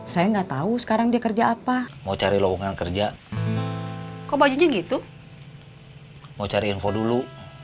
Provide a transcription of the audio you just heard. saya enggak tahu sekarang dikerja apa mau cari loongan kerja kok bajunya gitu mau cari info dulu